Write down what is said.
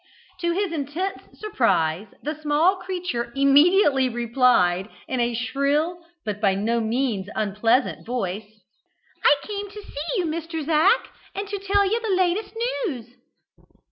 To his intense surprise the small creature immediately replied, in a shrill but by no means unpleasant voice: "I came to see you, Mr. Zac, and to tell you the latest news."